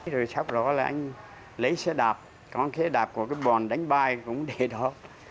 rồi sau đó là anh lấy xe đạp con xe đạp của cái bọn đánh bai cũng để đó